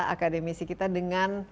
akademisi kita dengan